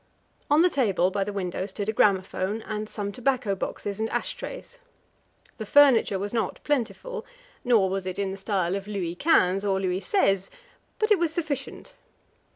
On the table, by the window, stood a gramophone and some tobacco boxes and ash trays. The furniture was not plentiful, nor was it in the style of Louis Quinze or Louis Seize, but it was sufficient.